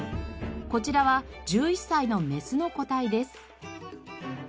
こちらは１１歳のメスの個体です。